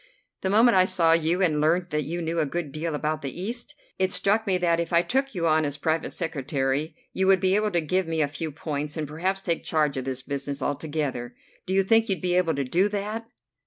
The moment I saw you and learned that you knew a good deal about the East, it struck me that if I took you on as private secretary you would be able to give me a few points, and perhaps take charge of this business altogether. Do you think you'd be able to do that?"